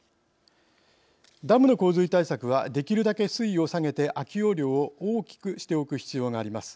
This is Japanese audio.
ダムの洪水対策はできるだけ水位を下げて空き容量を大きくしておく必要があります。